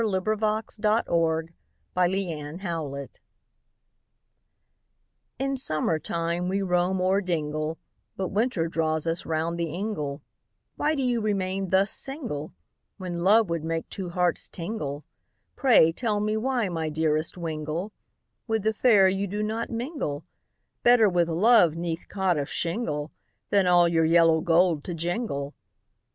LINES ADDRESSED TO AN OLD BACHELOR. In summer time we roam o'er dingle, But winter draws us round the ingle, Why do you remain thus single, When love would make two hearts tingle, Pray, tell me why my dearest wingle, With the fair you do not mingle, Better with love 'neath cot of shingle, Than all your yellow gold to jingle.